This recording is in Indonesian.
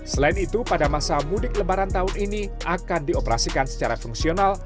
selain itu pada masa mudik lebaran tahun ini akan dioperasikan secara fungsional